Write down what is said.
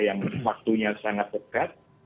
yang waktunya sangat dekat